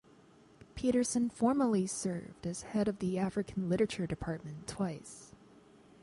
Peterson formerly served as Head of the African Literature Department twice.